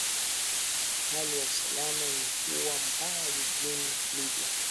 hali ya usalama imekuwa mbaya jiji libya